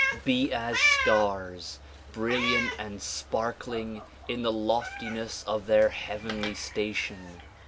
Be as stars brilliant and sparkling in the loftiness of their heavenly station.